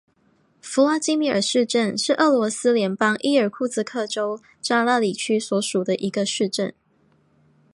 弗拉基米尔市镇是俄罗斯联邦伊尔库茨克州扎拉里区所属的一个市镇。